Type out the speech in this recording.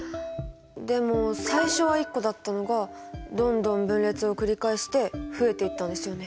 でも最初は１個だったのがどんどん分裂を繰り返して増えていったんですよね？